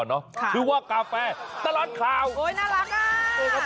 ชื่อว่ากาแฟตลอดข่าวโอ๊ยน่ารัก